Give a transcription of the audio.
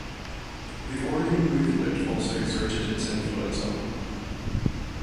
The organ movement also exerted its influence on him.